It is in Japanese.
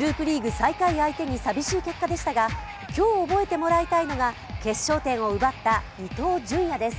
最下位相手に寂しい結果でしたが今日覚えてもらいたいのが決勝点を奪った伊東純也です。